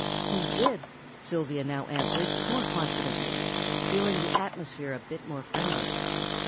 "He did," Sylvia now answered more confidently, feeling the atmosphere a bit more friendly.